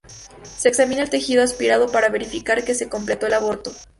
Se examina el tejido aspirado para verificar que se completó el aborto.